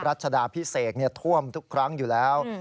รัชดาพิเศษท่วมทุกครั้งอยู่แล้ว